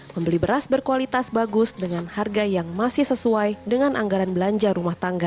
membeli beras berkualitas bagus dengan harga yang masih sesuai dengan anggaran belanja rumah tangga